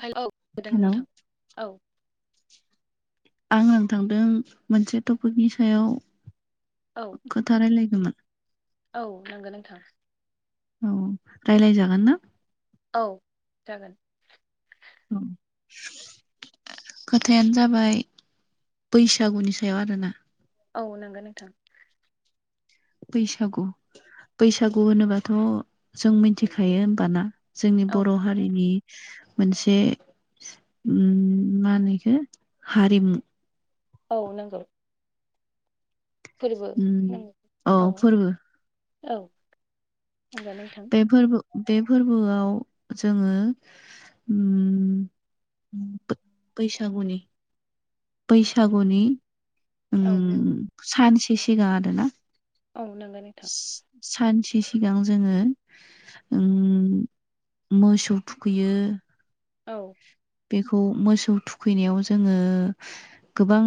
हेल' औ खोनादों हेलौ नोंथां औ आङो थांदों मोनसे टपिकनि सायाव औ खोथा रायलायगौमोन औ नंगौ नोंथां। औ रायलाय जागोन ना? औ जागोन। [unintelligible] खोथायानो जाबाय बैसागुनि सायाव आरोना औ नंगौ नोंथां। बैसागु बैसागु होनोबाथ जों मिथिखायो होनबाना? जोंनि औ बर' हारिनि मोनसे उम मा होनो बेखौ हारिमु। औ नंगौ। फोरबो उम नंगौ औ फोरबो। औ नंगौ नोंथां। बे फोरबो बे फोरबोआव जोङो बैसागुनि बैसागुनि उम औ सानसे सिगां आरो ना? औ नांगौ नोंथां। सानसे सिगां जोङो उम। मोसौ थुखैयो। औ। बेखौ मोसौ थुखैनायाव जोङो गोबां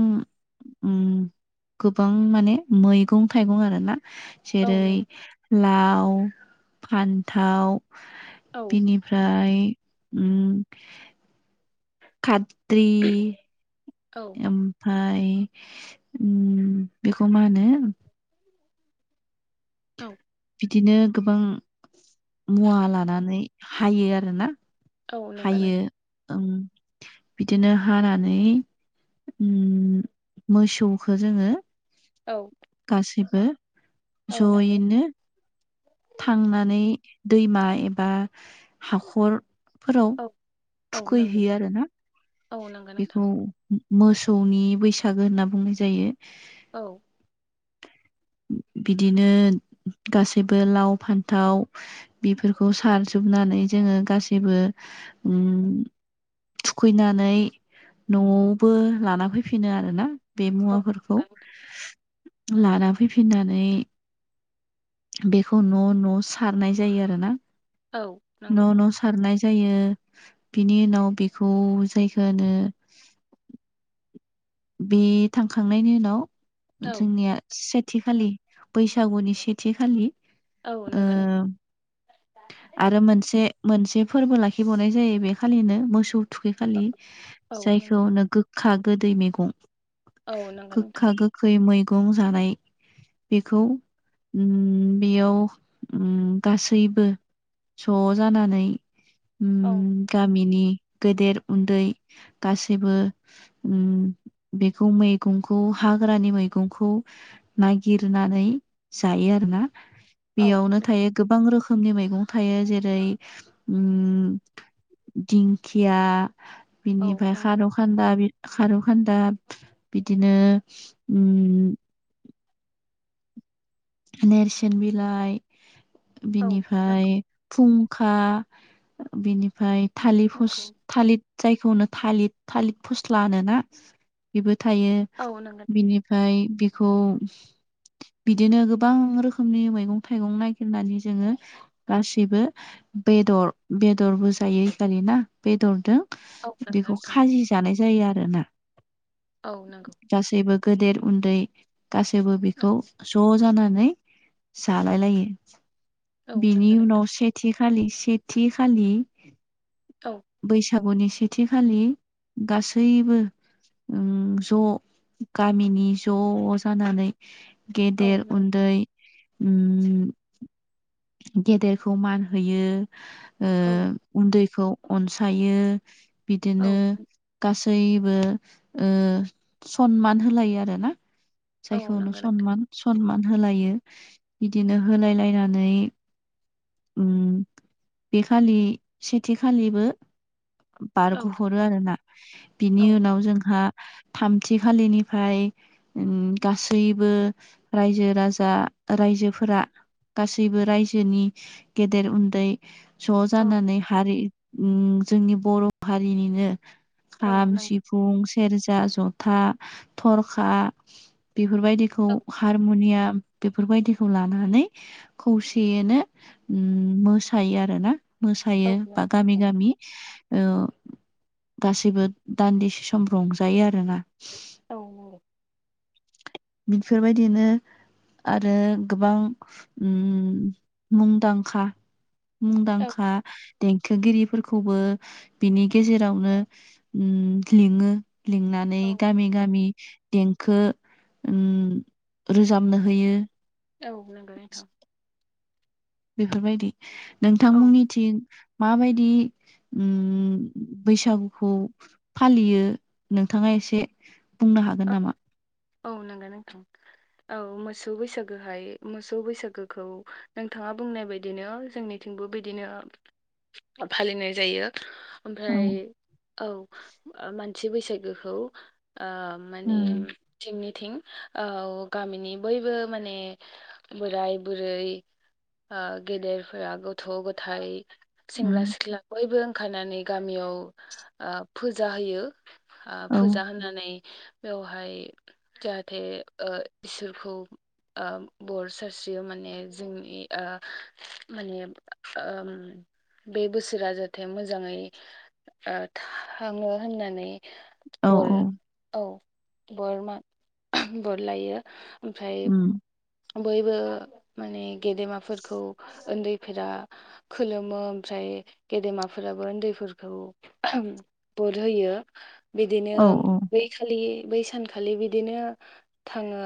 उम गोबां माने मैगं थाइगं आरो ना? औ जेरै नों लाव फान्थाव औ बिनिफ्राय उम खात्रि औ एम ओमफ्राय उन बेखौ मा होनो? औ। बिदिनो गोबां मुवा लानानै हायो आरोना? औ नंगौ नोंथां। ओं बिदिनो हानानै उम मोसौखौ जोङो औ। गासिबो औ नंगौ जयनो थांनानै दैमा एबा हाखरफोराव औ औ नंगौ थुखैहैयो आरो ना? औ नंगौ नोंथां बेखौ मोसौनि बैसागो होनना बुंनाय जायो। औ। बिदिनो गासैबो लाव फान्थाव बेफोरखौ सारजोबनानै जोङो गासैबो उम थुखैनानै न'आवबो लाना फैफिनो आरोना। बे औ मुवाफोरखौ नंगौ नोंथां। लाना फैफिननानै बेखौ न' न' सारनाय जायो आरो ना। औ नंगौ न' न' सारना जायो बिनि उनाव बेखौ जायखो बे थांखांनायनि उनाव औ जोंनिया से सेथि खालि बैसागुनि सेथि खालि। औ ओ नंगौ नोंथां। आरो मोनसे मोनसे फोरबो लाखिबावनाय जायो बे खालिनो मोसौ थुखैखालि औ जायखौ नंगौ नो गोखा गोखै गोदै मैगं औ नंगौ नोंथां गोखा गोखै मैगं जानाय बेखौ उम बेयाव उम गासैबो ज' जानानै उम औ गामिनि गेदेर उन्दै गासैबो उम बेखौ मैगंखौ हाग्रानि मैगंखौ नागिरनानै जायो आरोना। औ बेयावनो थायो गोबां रोखोमनि मैं मैगं थायो जेरै उम दिंखिया औ बिनिफ्राय नंगौ। खार' खान्दा खारौ खान्दा बिदिनो उम नेरसोन बिलाइ औ नंगौ बिनिफ्राय फुं। खुखा बिनिफ्राय थालिर फस नंगौ। थालिर। जायखौनो थालिर थालिर फस्ला होनोना बेबो थायो औ नंगौ बिनिफ्राय बेखौ बिदिनो गोबां रोखोमनि मैगं थाइगं नागिरनानै जोङो गासिबो बेदर बेदरबो जायो इखालि ना बेदरजों औ नंगौ बेखौ नोंथां खाजि जानाय जायो आरोना। औ नंगौ। गासैबो गेदेर उनदै गासैबो बेखौ ज' जानानै नानै जालायलायो औ बिनि नंगौ नोंथां उनाव सेथि खालि सेथि खालि औ बैसागुनि सेथिखालि गासैबो उम ज' गामिनि ज' जानानै औ गेदेर नों उन उनदै उम गेदेरखौ मान होयो। ओ औ उनदैखौ अनसायो औ बिदिनो गासैबो गासैबो ओ सनमान होलायो आरो ना। औ जायखौनो नंगौ नोंथां सनमान सनमान होलायो बिदिनो होलाय लायनानै उम बेखालि सेथिखालिबो औ बारग'हरो आरोना बिनि औ नों- उनाव जोंहा थामथि खालिनिफ्राय गासैबो रायजो राजा रायजोफोरा गासैबो रायजोनि गेदेर उनदै ज' औ जानानै हारि उम जोंनि बर' हारिनिनो औ खाम, नंगौ सिफुं, सेरजा, जथा, थरखा बेफोरबायदिखौ हारमुनिया बेफोरबायदिखौ लानानै खौसेयैनो उम मोसायो आरोना। मोसायो औ नंगौ बा गामि गामि ओ गासैबो दानदिसे सम रंजायो आरोना। औ। बेफोरबायदिनो आरो गोबां उम मुंदांखा औ मुंदांखा देंखोगिरिफोरखौबो बिनि गेजेरावनो लिङो लिंनानै औ गामि नंगौ गामि देंखो रोजाबनो होयो। औ नंगौ नोंथां। बेफोरबायदि औ नोंथांमोननि थिं माबायदि बैसागुखौ फालियो नोंथाङा? एसे बुंनो हागोन औ नामा? औ नंगौ नोंथां औ मोसौ बैसागोहाय मोसौ बैसागोखौ नोंथां मा बुंनाय बायदिनो जोंनिथिंबो बिदिनो फालिनाय जायो। औ ओमफ्राय ओ औ मानसि बैसागोखौ ओ माने थिं औ गामिनि बयबो माने बोराय बुरै गेदेरफोरा गथ' गथाय सेंग्रा उम सिख्ला बयबो ओंखारनानै गामियाव फुजा होयो। ओ फुजा होनानै बेवहाय जाहाथे इसोरखौ ओ बर सारस्रियो माने जोंनि माने ओ बे बोसोरा जाहाथे मोजाङै थाङो होननानै। औ बर औ बर मा बर लायो। ओमफ्राय उम बयबो माने गेदेमाफोरखौ ओन्दै फोरा खुलुमो ओमफ्राय गेदेमाफोराबो उन्दैफोरखौ बोर होयो बिदिनो औ औ बै खालि बै सानखालि बिदिनो थाङो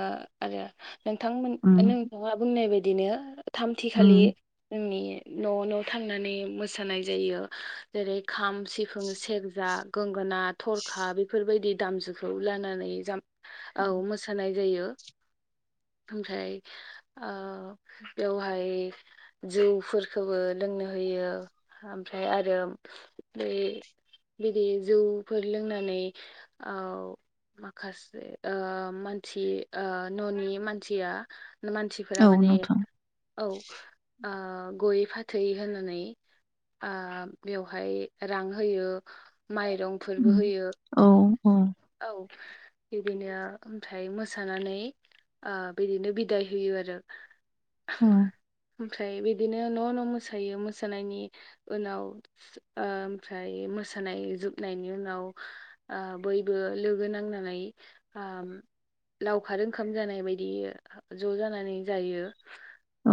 आरो नोंथांमोन उम नोंथाङा बुंनाय बायदिनो थामथिखालि उम जोंनि न' न' थांनानै मोसानाय जायो जेरै खाम सिफुं सेरजा गंगोना थरखा बेफोरबायदि दामजुखौ लानानै जा औ मोसानाय जायो [unintelligible] ओमफ्राय ओ बेवहाय जौफोरखौबो दों होयो ओमफ्राय आरो बे बिदि जौफोर लोंनानै ओ माखासे ओ मानसि ओ न'नि मानसिया मानसिफोरा औ माने नोंथां औ ओ गयै फाथै होनानै आ बेवहाय रां होयो माइरंफोरबो उम होयो औ औ औ बिदिनो ओमफ्राय मोसानानै ओ बिदिनो बिदाय होयो आरो ओम ओमफ्राय बिदिनो न' न' मोसायो मोसानायनि उनाव ओ ओमफ्राय मोसानाय जोबनायनि उनाव ओ बयबो लोगो नांनानै ओ लावखार ओंखाम जानाय बायदि ज' जानानै जायो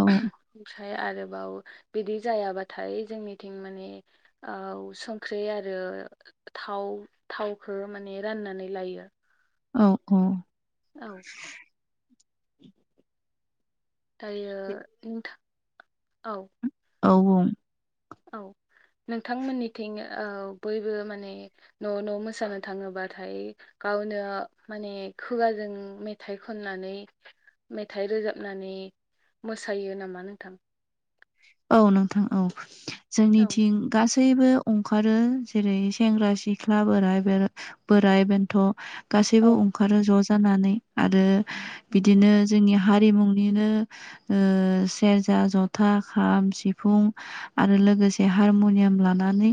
औ आरो बिदि जायाबाथाय जोंनिथिं माने औ संख्रि आरो थाव थावखो माने राननानै लायो औ औ औ [unintelligible] दायो नोंथां औ औ बुं औ नोंथांमोननिथिं ओ बयबो माने न' न' मोसानो थाङोबाथाय गावनो माने खुगाजों मेथाइ खननानै मेथाइ रोजाबनानै मोसायो नामा नोंथां औ नोंथां औ औ जोंनिथिं गासै सैबो ओंखारो जेरै सेंग्रा सिख्ला बोराय बोराय बेन्थ' औ गासैबो ओंखारो ज' जानानै आरो नंगौ बिदिनो नोंथां जोंनि हारि हारिमुंनिनो ओ सेरजा जथा खाम सिफुं आरो लोगोसे हारमुनियाम लानानै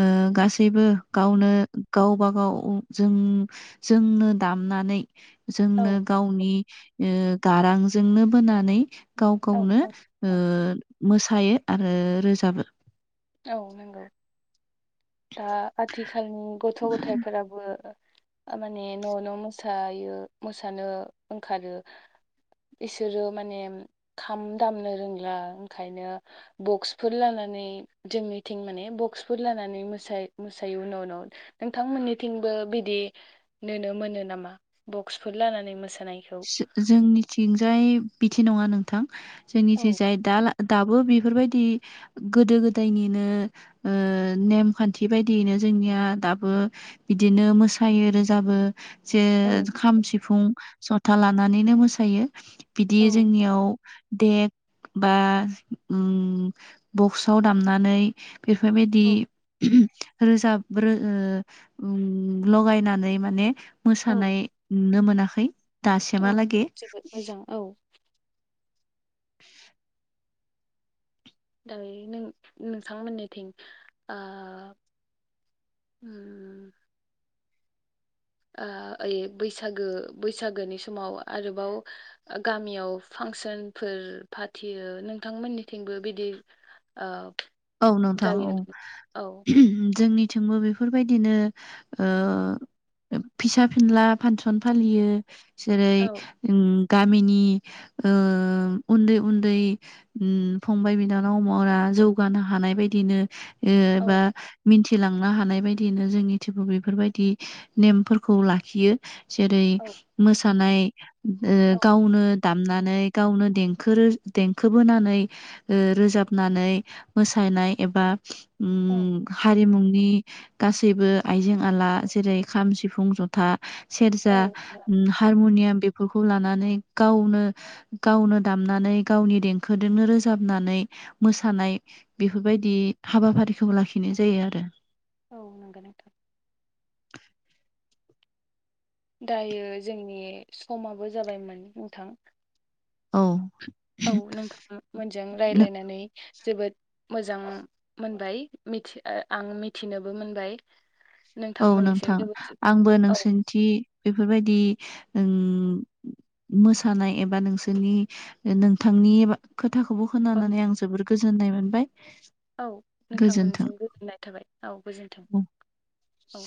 ओ‌ गासैबो गावनो गावबा गाव जों जोंनो दामनानै औ जोंनो गावनि ओ गारांजोंनो बोनानै गाव औ गावनो ओ औ मोसायो आरो रोजाबो औ नंगौ दा आथिखालनि गथ' गथायफोराबो माने न' न' मोसायो मोसानो ओंखारो बिसोरो माने खाम दामनो रोंला ओंखायनो बक्सफोर लानानै मानै जोंनिथिं माने बक्सफोर लानानै मो मोसायो उनाव उनाव नोंथांमोननिथिंबो बिदि नुनो मोनो नामा बक्स फोर लानानै मोसा जोंनिथिंजाय बिदि नङा नोंथां औ जोंनिथिं जाय दा दाबो बेफोरबायदि गोदो गोदायनिनो ओ नेमखान्थि बायदियैनो जोंनिया दाबो बिदिनो मोसायो रोजाबो जे औ खाम सिफुं जथा लानानैनो मोसायो बिदि औ जोंनियाव देक बा बक्सआव दामनानै बेफोरबायदि औ रोजाबो लगायनानै माने औ मोसानाय नुनो मोनाखै औ दासिमहालागै जोबोद मोजां औ [unintelligible] दायो नों नोंथांमोननिथिं ओ उ ओ ओइ बैसागो - बैसागोनि समाव आरोबाव गामियाव फां फांसन फोर फाथियो नोंथांमोननिथिंबो बिदि ओ औ नोंथां जायो औ औ जोंनि थिंबो बेफोरबायदिनो फिसा फिनला फांसन फालियो जेरै औ गामिनि ओ उन्दै - उन्दै फंबाय - बिनानाव मावा जौ हानाय बायदिनो औ ओबा मिथि लांनो हानाय बायदियैनो जोंनि थेवबो बेफोरबायदि नेमफोरखौ लाखियो जेरै औ मोसानाय औ गावनो दामनानै गावनो देंखो रो देंखो बोनानै ओ रोजाबनानै मोसानाय एबा औ उम हारिमुनि नि गासैबो आइजें -आला जेरै खाम, सिफुं, जथा सेरजा औ हारमुनियाम बे बेफोरखौ लानानै गावनो -गावनो दामनानै गावनि देंखोजोंनो रोजाबनानै मोसानाय बेफोरबायदि हाबाफारिखौ लाखिनाय जायो आरो औ नंगौ नोंथां [unintelligible] दायो जोंनि समाबो जाबायमोन नोंथां औ औ नोंथां मोनजों नो राय्लायनानै जोबोद मोजां मोनबाय आं मिथिनोबो मोनबाय औ नोंथांमोननिसिम नोंथां जोबोद आंबो औ नोंसोरनिथि बेफोरबायदि ओं मोसानाय एबा नोंसोरनि नोंथांनि खोथाखौबो खोनानानै आं जोबोर गोजोननाय मोनबाय औ गोजोन्थों। नोंथांमोनजों गोजोननाय थाबाय औ गोजोन्थों औ। औ